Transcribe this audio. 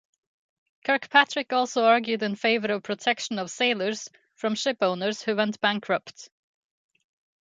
Kirkpatrick also argued in favour of protection of sailors from ship-owners who went bankrupt.